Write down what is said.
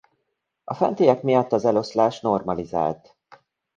A fentiek miatt az eloszlás normalizált.